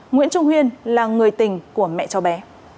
nguyễn trung huyên là người tình của mẹ cháu bé